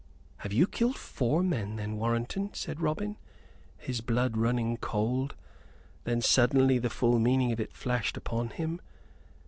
"Have you killed four men, then, Warrenton?" said Robin, his blood running cold. Then suddenly the full meaning of it flashed upon him.